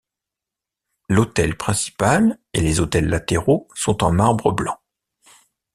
L’autel principal et les autels latéraux sont en marbre blanc.